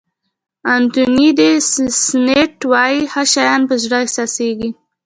انتوني دي سېنټ وایي ښه شیان په زړه احساسېږي.